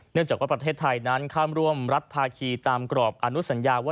จากว่าประเทศไทยนั้นข้ามร่วมรัฐภาคีตามกรอบอนุสัญญาว่า